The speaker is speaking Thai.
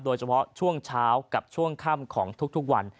โดยเฉพาะช่วงเช้ากับช่วงค่ำของทุกวัน